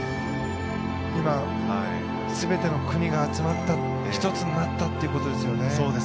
今、全ての国が集まった１つになったっていうことですよね。